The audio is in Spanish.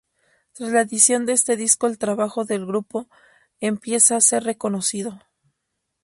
Tras la edición de este disco el trabajo del grupo empieza a ser reconocido.